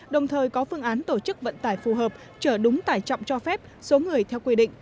đồng thời có phương án tổ chức vận tải phù hợp trở đúng tải trọng cho phép số người theo quy định